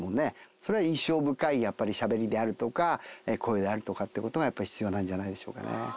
それは印象深いやっぱり喋りであるとか声であるとかってことがやっぱり必要なんじゃないでしょうかね